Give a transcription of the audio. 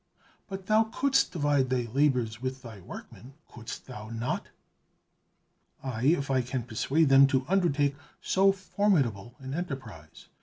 "But thou couldst divide thy labors with thy workmen, couldst thou not?" "Aye, if I can persuade them to undertake so formidable an enterprise.